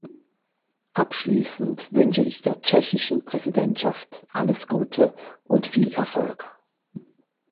Abschließend wünsche ich der tschechischen Präsidentschaft alles Gute und viel Erfolg.